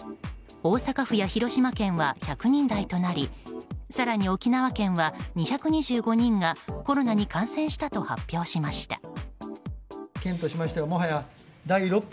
大阪府や広島県は１００人台となり更に沖縄県は２２５人がコロナに感染したと発表しました。